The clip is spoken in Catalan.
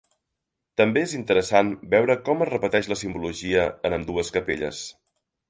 També és interessant veure com es repeteix la simbologia en ambdues capelles.